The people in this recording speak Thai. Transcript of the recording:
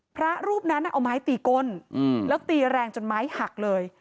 พระรูปนั้นเอาไม้ตีก้นแล้วตีแรงจนไม้หักเลย